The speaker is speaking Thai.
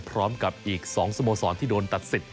พร้อมกับอีก๒สโมสรที่โดนตัดสิทธิ